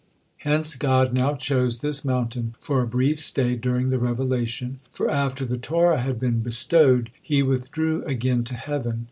Hence God now chose this mountain for a brief stay during the revelation, for after the Torah had been bestowed, He withdrew again to heaven.